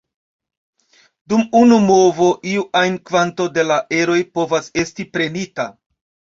Dum unu movo iu ajn kvanto de la eroj povas esti prenita.